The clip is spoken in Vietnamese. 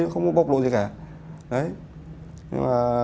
không có bộc lộ gì cả